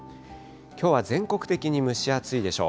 きょうは全国的に蒸し暑いでしょう。